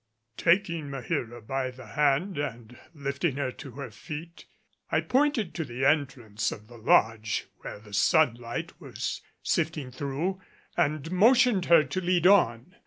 Taking Maheera by the hand and lifting her to her feet, I pointed to the entrance of the lodge, where the sunlight was sifting through, and motioned her to lead on.